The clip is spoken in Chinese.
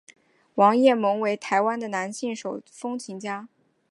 王雁盟为台湾的男性手风琴家。